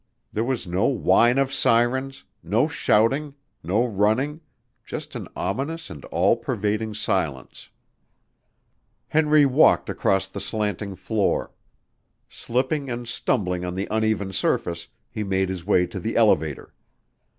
There was no whine of sirens, no shouting, no running, just an ominous and all pervading silence. Henry walked across the slanting floor. Slipping and stumbling on the uneven surface, he made his way to the elevator.